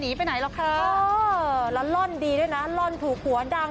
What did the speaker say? ไปไหนหรอกค่ะแล้วล่อนดีด้วยนะล่อนถูกหัวดัง